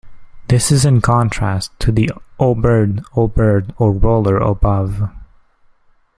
This is in contrast to the "Oh Bird, Oh Bird, Oh Roller" above.